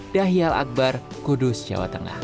dahil akbar kudus jawa tengah